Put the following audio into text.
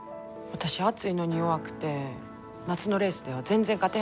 私暑いのに弱くて夏のレースでは全然勝てへんのです。